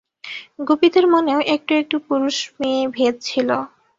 গোপীদের মনেও একটু একটু পুরুষ-মেয়ে ভেদ ছিল।